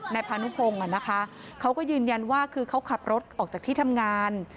พานุพงศ์เขาก็ยืนยันว่าคือเขาขับรถออกจากที่ทำงาน